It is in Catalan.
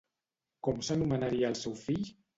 Com s'anomenaria el seu fill?